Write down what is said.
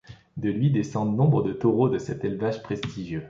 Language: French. De lui descendent nombre de taureaux de cet élevage prestigieux.